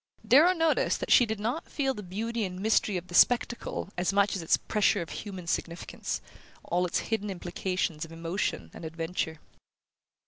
Darrow noticed that she did not feel the beauty and mystery of the spectacle as much as its pressure of human significance, all its hidden implications of emotion and adventure.